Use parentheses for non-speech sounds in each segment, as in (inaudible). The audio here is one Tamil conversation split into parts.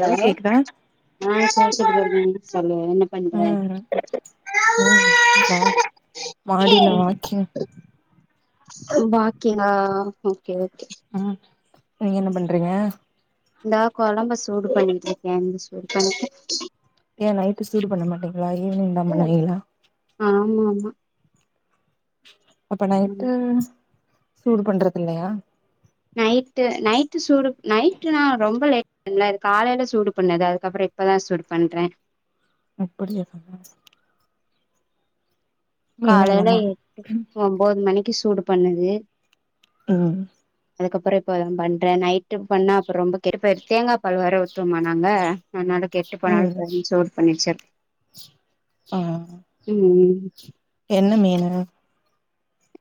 ஹலோ அ (inaudible) சொல்லு பண்ற ம் ம் ச மாடில வாக்கிங் வாக்கிங்கா ஓகே ஓகே ம் நீங்க என்ன பண்றீங்க இந்தா கொழம்ப சூடு பண்ணிட்டு இருக்கே இந்த சூடு பண்ணிட்டு ஏ நைட்டு் சூடு பண்ண மாட்டீங்களா ஈவினிங் தா பண்ணுவீங்களா ஆமா ஆமா அப்ப நைட்டு ம் சூடு பண்றதில்லையா நைட்டு நைட்டு சூடு நைட்டு நா ரொம்ப லேட் (inaudible) ல அது காலையில சூடு பண்ணது அதுக்கப்பறோ இப்பதா சூடு பண்ற அப்படியா காலைல மீனாலாமா எட்டு ஒம்போது மணிக்கு சூடு பண்ணது ம் அதுக்கப்பறோ இப்பதா பண்ற நைட்டு பண்ணா அப்ப ரொம்ப கெட்டு போயிரு தேங்காபால் வேற ஊத்துவமா நாங்க அதனால கெட்டு ம் போனாலு போயிருன்னு சூடு பண்ணி வச்சர்து ம் ம் ம் என்ன மீனு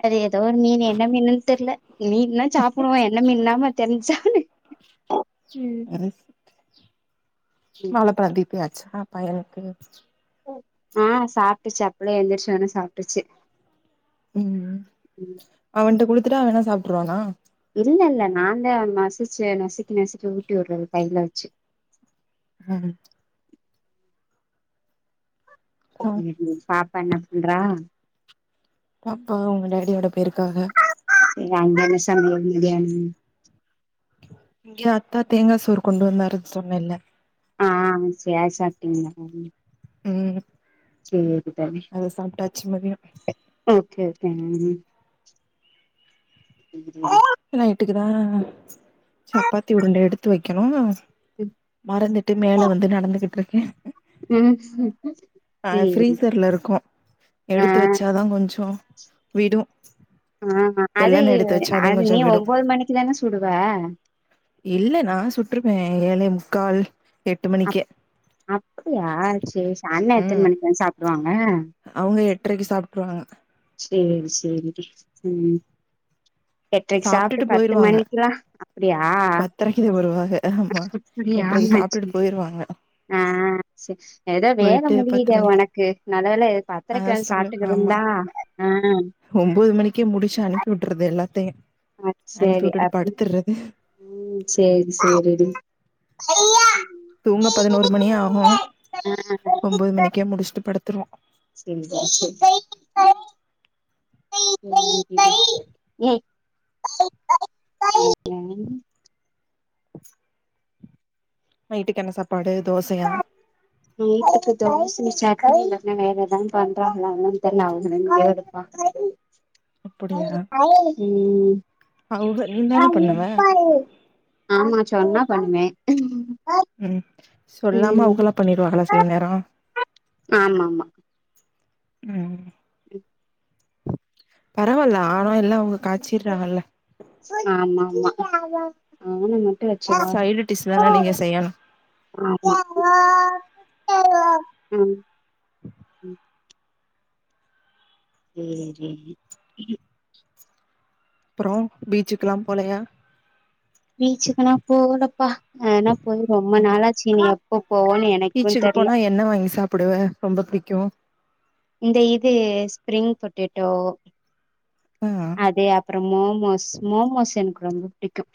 அது எதோ ஒரு மீனு என்ன மீனுன்னு தெர்ல்ல மீன்னா சாப்டுவோ என்ன மீன்ல்லாமா தெரிஞ்சா ம் ம் ம் ம் மலப்பார் தீபியாட்ச் அ பயலுக்கு ஆ சாப்ட்டுச்சு அப்பவே எந்திர்ச்சொன்னோ சாப்ட்டுச்சு ம் ம் அவன்ட்ட குடுத்துட்டா அவனே சாப்ட்ருவானா இல்ல இல்ல நாந்தா மசிச்சு நசுக்கி நசுக்கி ஊட்டி வுட்றது கையில வெச்சு ம் ம் ம் பாப்பா என்ன பண்றா பாப்பா அவுங்க டேடியோட பேய்ருக்காக ஏங்க அங்க என்ன சமையல் பிரியாணி தாத்தா தேங்கா சோறு கொண்டு வந்தாருன் சொன்னேல்ல ஆ சேர் சாப்ட்டிங்ளா ம் சேரிதான அது சாப்ட்டாச்சு மதியோ ஓகே ஓகே (unintelligible) ம் நைட்டுக்குதா சப்பாத்தி உருண்ட எடுத்து வைக்கணு மறந்துட்டு மேல வந்து நடந்துகிட்ருக்கே ம் ஆ சேரி ஃப்ரீசர்ல இருக்கு ஆ எடுத்து வெச்சாதா கொஞ்சோ விடு ஆ அது வெள்ளன எடுத்து வச்சாதே அது கொஞ்சோ நீ விடு உம்போது மணிக்கு தான சுடுவ இல்ல நா சுட்டுருவே ஏழே முக்கால் எட்டு அப் மணிக்கே அப்படியா சே ச அண்ணே எத்தன் மணிக் வந் சாப்டுவாங்க அவுங்க எட்ரைக்கு சாப்ட்ருவாங்க சேரி சேரி ம் எட்ரைக்கு சாப்ட்டு சாப்ட்டுட்டு பத்து போயிருவாங்க மணிக்கிலா அப்படியா பத்தரைக்குதா வருவாங்க ஆமா அப்படியா எட்ரைக்கு என்ன சாப்ட்டுட்டு ஆச்சு போயிருவாங்க ஆ சேர் எதோ வேல போயிட்டு பத்து முடியுதே மணி உனக்கு நல்ல வேலை ஆ பத்தரைக்கு வந் சாப்ட்டுக்கிருந்தா ஆ உம்போது மணிக்கே முடிச்சு அனுப்பி வுட்டுறது எல்லாத்தையு அ சேரி அனுப்பிவுட்டுட்டு அப்டி படுத்துர்றது ம் சேரி சேரிடீ தூங்க பதினோரு மணி ஆகு உம்பது மணிக்கே முடிஷ்ட்டு படுத்துருவோ செரிடீ சே (unintelligible) நைட்டுக்கு என்ன சாப்பாடு தோசையா நைட்டுக்கு தோச சட்னி இல்லனா வேற எதனா பண்றாங்களானு தெர்ல அவுங்க (unintelligible) ம் அங்கள் ஆமா சொன்னா பண்ணுவே ம் சொல்லாம ம் அவுகளா பண்ணிடுவாகளா சில நேரோ ஆமா ஆமா ம் (inaudible) பரவால்ல ஆனா எல்லா அவுங்க காச்சிற்றாங்கல்ல ஆமா ஆமா அவுங்கமட்டு சைடு டிஷ் வேணா நீங்க செய்யணு ஆமா ம் சேரி அப்றோ பீச்சுக்லாம் போலையா பீச்சுக்குனாப் போகலப்பா ஆனாப் போய் ரொம்ப நாாளாச்சி இனி எப்போப் போவோனு என் பீச்சுக்குப் போனா என்ன வாங்கி சாப்புடுவே ரொம்ப புடிக்கு இந்த இது ஸ்பிரிங் பொட்டேட்டோ ஆ அதே அப்றோம் மோமோஸ் மோமோஸ் எனக்கு ரொம்ப புடிக்கு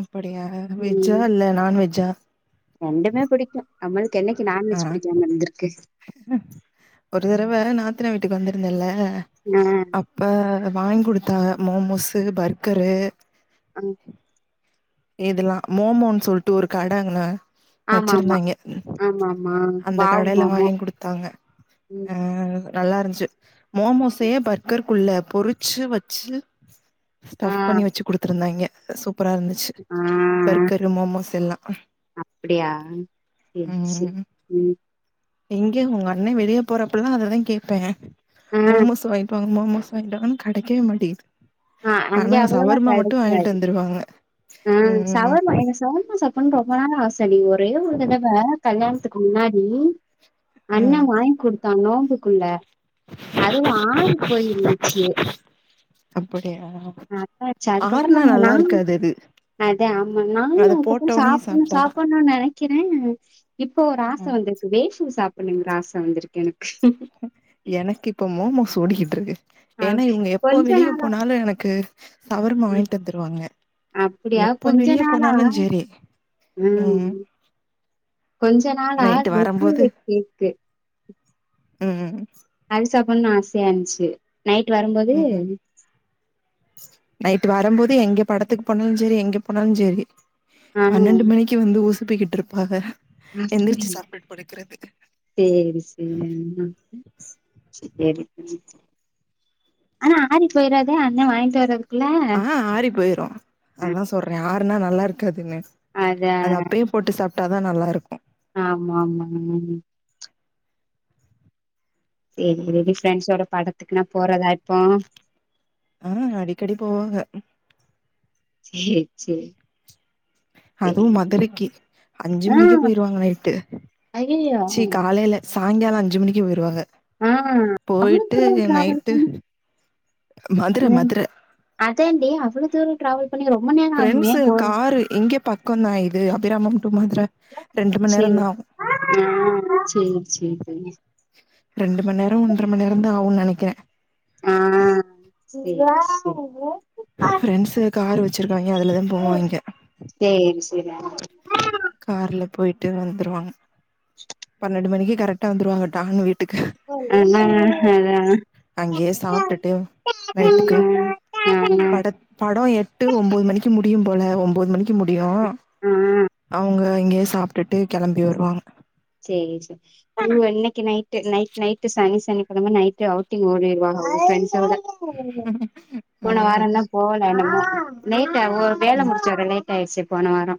அப்படியா வெஜ்ஜா இல்ல நான்வெஜ்ஜா ரெண்டுமே புடிக்கு நம்மள்க்கு என்னைக்கு ஆ நான்வெஜ் பிடிக்காம இருந்திருக்கு ஒரு தரவ நாத்தனா வீட்டுக்கு வந்திருந்தேல ஆ அப் ப்ப வாய்ங் குடுத்தாங்க மோமோஸு பர்க்கரு அங் எதுலா மோமோன் சொல்ட்டு ஒரு கடங்க ஆமா மா ஆமா மா அந்த வாவ் கடைல மோமோ வாங்கி ம் நல்லாருஞ்ச்சு மோமோஸையேப் பர்கர்க் குள்ள பொறிச்சு வச்சு ஆ ஸ்டப் பண்ணி வச்சு குடுத்துருந்தாய்ங்க சூப்பரா இருந்துச்சு ஆ பர்க்கரு மோமோஸ் எல்லா அப்டியா சேரிச்சே ம் எங்கே உங்க அண்ணே வெளியேப் போறப்பல்லா அததாங் கேப்பே ஆ மோமோஸ் வாய்ன்ட்டுவாங் மோமோஸ் வாய்ன்ட்டுவானு கெடைக்கவே மாட்டிகிது ஆ அங்க ஆனா அவ்வளவா சவர்மா மட்டு வாய்ன்ட்டு வந்துருவாங்க அ ம் சவர்மா எனக்கு சவர்மா சாப்புன் ரொம்ப நாளா ஆச தனி ஒரே ஒரு தடவ கல்யாண்த்துக்கு முன்னாடி ஆ அண்ணே வாய்ங் குடுத்தாங்க கோம்புக்குள்ள அதுவு ஆய்ப் போயிந்துச்சி அப்படியா நா அத்தாச்சு அதுக்கப்றோ ஆறுனா நாங்க நல்லா நான் இருக்காது அது அதே ஆமா நானு அத அப்பப்போ போட்டோனே சாப்புன்னு சாப்ட்டாதா சாப்புன்னுன் நெனைக்கிறே இப்போ ஒரு ஆச ம் வந்திருக்கு வேஃபு சாப்புன்னுங்குற ஆச வந்திருக்கு எனக்கு எனக்கு இப்ப மோமோஸ் ஒடிகிட்ருக்கு அ ஏனா இவுங்க எப்போ கொஞ்ச வெளியேப் நாளா போனாலு எனக்கு சவர்மா ம் வாய்ன்ட்டு வந்துருவாங்க அப்டியா எப்போ கொஞ்ச வெளிய நாளா போனாலு செரி ம் கொஞ்ச நாளா நைட்டு வரம்போது வெஜ்ஜூலக் கேக்கு ம் ம் ம் அது சாப்புன்னு ஆசையான்ச்சு நைட்டு வரும்போது ம் நைட்டு வரம்போது எங்கப் படத்துக்கு போனாலுஞ் செரி எங்கப் போனாலுஞ் செரி ஆ பன்னெண்டு மணிக்கு வந்து உசுப்பிகிட்ருப்பாக அப்டிங் சேரி சேரிங்மா சேரிமா ஆனா ஆறிப் போயறாது அண்ண வாய்ன்ட்டு வர ஆ ஆறிப் போயிரு அதா சொர்றே ஆருனா நல்லாருக்காதுன்னு அத அது அப்பயேப் போட்டு சாப்டாதா நல்லாருக்கு ஆமா மாங் சேரி வெளி ஃப்ரெண்ட்ஸோடப் படத்துக்னாப் போறதா இப்போ அ அடிக்கடி போவாங்க சேர்ச்சே அதுவும் மதுரைக்கி அஞ்சு ஆ மணிக்கே போயிருவாங்க நைட்டு ஐயையோ சி காலைல சாயங்காலோ அஞ்சு மணிக்கே போயிருவாக ஆ அவ்ளோ போயிட்டு தூரோ டிராவல் நைட்டு பண்ணி மதுர மதுர அதேண்டி அவ்ளோ தூரம் ட்ராவல் இப்ப நீங்க ரொம்ப நேர ஃப்ரெண்ட்ஸ் காரு இங்க பக்கந்தான் இது அபிராமம்‌ டு மதுர ரெண்டு மண் சேர் நேரந்தா ஆகு ஆ சேர் சேர் தோழி ரெண்டு மநேரம் ஒன்றமநேரம் தான் ஆகும்னு நினைக்கிறேன் ஆ சேர் சேர் ஃப்ரெண்ட்ஸு கார் வச்சுருக்காய்ங்க அதில தான் போவாய்ங்க கே என்சிர கார்ல போய்ட்டு வந்துருவாங்க பன்னெண்டு மணிக்கு கரெக்டா வந்துருவாங்க டான்னு வீட் ஆனா அதா அங்கேயே ஆ சாப்ட்டுட்டு ஆ நைட்டுக்கு பட படோ எட்டு ஒம்போது மணிக்கு முடியும் போல ஒம்போது மணி க்கி முடியும் ஆ அவுங்க இங்கயே சாப்ட்டுட்டு கிளம்பி வருவாங்க சேரி இவுங்க இன்னிக்கு நைட்டு நைட் நைட்டு சனி சனிகிழம நைட்டு அவுட்டிங் ஓடிருவாங்க ஃபிரண்ஸ்ஸோட ஓ போன வாரம்ந்தான் போனம்ம நேத்தா ஒரு வேல ம் முடிச்ச வர லேட் ஆயிடுச்சு போன வாரோ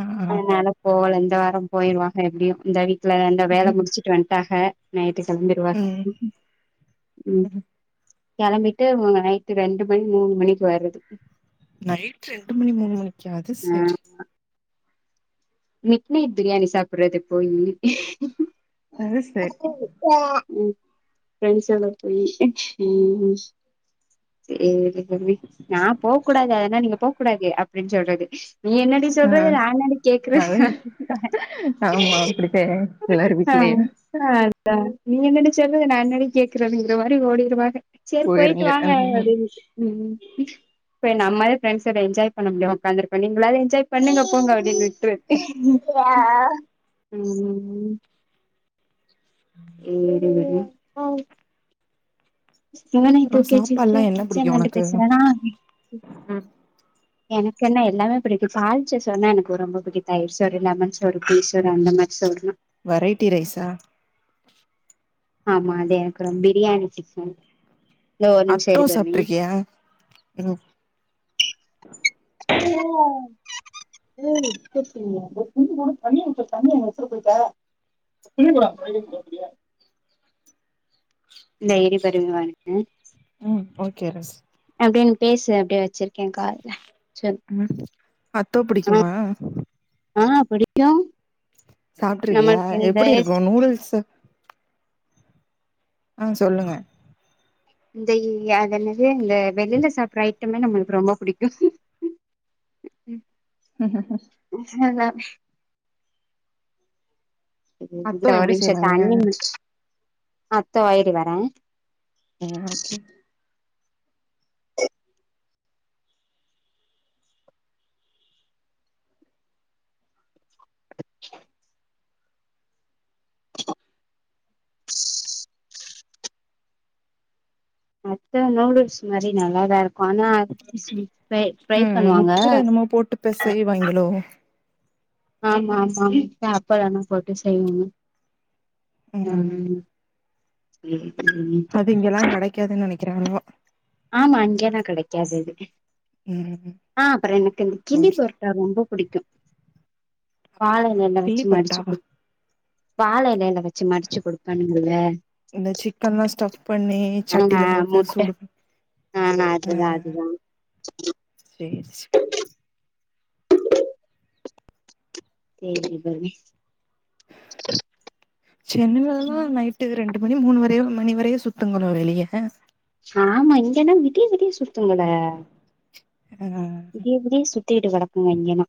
ஆ அதனால போல இந்த வாரம் போய்ருவாங்க எப்டியும் இந்த வீக் ல அந்த வேல முடிச்சுட்டு வன்ட்டாங்க நைய்ட்டு கிளம்பிருவாங்க ம் கிளம்பிட்டு மு நைட்டு ரெண்டு மணி மூணு மணிக்கு வரது நைட் ரெண்டு மணி மூணு மணிக்கா அது ஆ சேரி மிட் நைட் பிரியாணி சாப்பிடுறது போயி அது சேரி ம் ஃபிரண்ட்ஸ் எல்லாம் போயி ம் ம் செரிங்க தோழி நான் போ கூடாது அதனா நீங்க போ கூடாது அப்டின்னு சொல்றது நீ என்னடி சொல்றது ஆ நான் என்னடி கேக் அது ஆமா அப்டித்தா எல்லார் வீட்லேயும் அதான் நீ என்னடி சொல்றது நான் என்னாடி கேக்குறதுங்கிற மாரி ஓடிருவாங்க சேர் போயிட்டு போயிருங்க வாங்க ம் அப்டின்ட்டு ம் இப்ப நம்மலால ஃரெண்ட்ஸோட என்ஜாய் பண்ண முடியுமா உக்காந்துருக்கோ நீங்களாவது என்ஜாய் பண்ணுங்க போங்க அப்டின்னுட்டு அ அ. ம்ம் ஏரி வரி அ அப்புறம் தூக்கி வச்சுக்கிட்டு சாப்பாடுல்லா என்ன கிச்சன்ல புடிக்கும் நின்டு உனக்கு பேசுறனா ம் எனக்கு என்ன எல்லாமே புடிக்கும் தாளிச்ச சோறு எனக்கு ரொம்ப புடிக்கும் தயிர் சோறு லெமன் சோறு புளி சோறு அந்த மாரி சோறு எல்லா வரைட்டி ரைஸா ஆமா அதே எனக்கு ரொ பிரியாணி புடிக்கும் அத்தோ சாப்பிட்ருக்கியா ரொ அ சங்க ஒரு கூட தண்ணி வச்ச தண்ணி வச்சட்டு போயிட்ட இழுக்குறோ இந்த இடிப்பருவி வாங்கிட்டே. ம் ஓகே ரஸ் ஓகே நீ பேசு அப்டியே வெச்சிருக்கே காதுல. சொல் ம் அத்தோ புடிக்குமா? ஆ பிடிக்கு சாப்ட்ருக்கியா நம்மள்க் இந் எப்டி டேஸ் இருக்கு நூடுல்ஸ் ஆ சொல்லுங்க. இந்த இ அதென்னது இந்த வெளில சாப்ட்ற ஐட்டமே நம்மளுக்கு ரொம்ப புடிக்கு. ம்க்ஹு. (unintelligible) இரு அத்தோ இந்தா ஒரு எப்டி நிம்ஷோ செய்வாங்க (unintelligible) அத்தோ இரு வரே ம் ஓகே. (inaudible) அத்தோ நூடுல்ஸ் மாரி நல்லாதாரு க்கு ஆனா ஃப்ரை ஃப்ரை பண்ணுவாங்க. வாய்ங்களோ. ஆமா ஆமா எ அப்ற என்னா போட்டு செய்வாங்க? ம் சேரி சேரிங்க. அது இங்கெல்லா கெடைக்காதுன் நெனைக்கிறே அவ்ளவா. ஆமா இங்கியெல்லா கெடைக்காது அது ம் ஆ அப்பறோ எனக்கு இந்த கிள்ளி பரோ ட்டா ரொம்ப புடிக்கு வாழை அப்டியா எலைல வெச்சு கிள்ளி மடிச்சு பரோட்டாவா குடு வாழ எலைல வெ ச்சு மடிச்சு குடுப்பானுங்கல்ல இந்த சிக்கன்லா ஸ்டஃப் பண்ணி அ சட்டில அ போட்டு முட்ட சூடு ஆனா அதுதா அதுதா. சேர்ச் கே (inaudible) தேடி பாருங்க. சென்னைலல்லா நைட்டுக்கு ரெண் டு மணி மூணு வரைய மணி வரைய சுத்துங்குளு வெளிய. ஆமா இங்க என்னா விடிய விடிய சுத்துங்கள ஆ விடிய விடிய சுத் திட்டு கெடக்ங்க இங்கியெனா.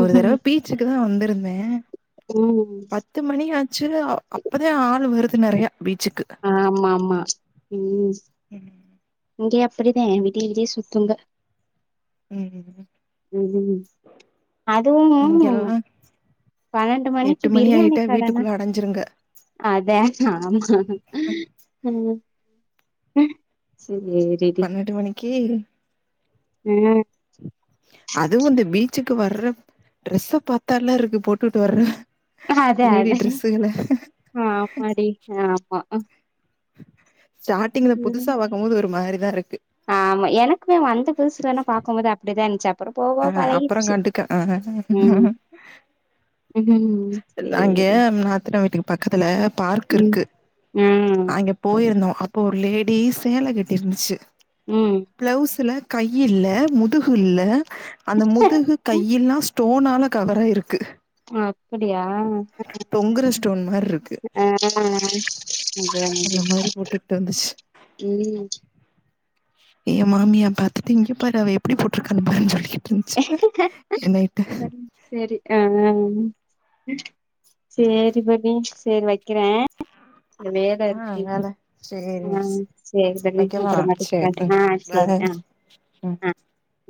ஒரு தடவ பீச்சுக்கு தா வந்துருந்தே. ம் பத் த்து மணி ஆச்சு அவ் அப்பதா ஆள் வருது நறையா பீச்சுக்கு. ஆமாமா ம். ம் இங்க அப்பிடிதே விடிய விடிய சுத்துங்க. ம் ம் அதுவு இங்கெல்லா பன்னெண்டு மணிக்கி எட்டு மணி பிரியாணி ஆயிட்டா கடனா வீட்டுக்குள்ள அடஞ்சிருங்க அதே ஆமா ம் அ சேரி. பன்னெண்டு மணிக்கி ம். அதுவு இந்த பீச்சுக்கு வர்ற ட்ரெஸ்ஸ பாத்தால்ல இருக்கு போட்டுட்டு வர்ற அதே லேடி அதே ட்ரெஸ்ஸுகள ஆமாடி ஆமா. ஸ்டாட்டிங்ல ம் புதுசா பாக்கும்போது ஒரு மாரிதா இருக்கு. ஆமா எனக்குமே வந்த புதுசுலனா பாக்கும்போது அப்டிதாஞ்ச்ச ப்பறோ போவ‌ போவ அ அப்புறோ பழகிர்ச்சு கண்டுக்க அ ம். அங்க சேரி நாத்தனா வீட்டுக்கு பக்கத்துல பார்க் ம் இருக்கு ம் அங்க போயிருந்தோ அப்போ ஒரு லேடி சேல கட்டி இருந்துச்சு ம் பிளவுஸ்ல கையில்ல முதுகுல்ல அந்த முதுகு கையெல்லா ஸ் டோனால கவராயிருக்கு அப்பிடியா தொங்குற ஸ்டோன் மாரி இருக்கு ஆ அதா அதா அந்த மாரி போட்டுக்கிட்டு வந்துச்சு ம் ஏ மாமியா பாத்துட்டு இங்க பாரு அவ எப்டி போட்ருக்கான்னு பாருன்னு சொல்லிகிட் செரி ஆ ஆ சேரி ஃபட்டி சேரி வைக்கிறே வேல ஆ ஆ இருக்கு வேல சேரி ஆ மிஸ் சேரி பவி வைக்கவா அப்புறமாட்டி சேரி பண்றே ம் ஆ சேரி பாய் ஆ ம் ஆ ஆ